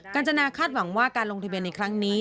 การจนาคาดหวังว่าการลงทะเบียนในครั้งนี้